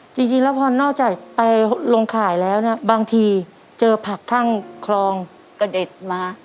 จริงจริงแล้วพอนหน้าจ่ายไปลงข่ายแล้วนะบางทีเจอผักท่างครองกระเด็ดมา